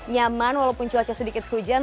nyaman walaupun cuaca sedikit hujan